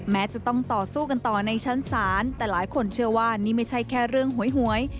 แม้จะต้องต่อสู้กันต่อในชั้นศาลแต่หลายคนเชื่อว่านี่ไม่ใช่แค่เรื่องหวยหวย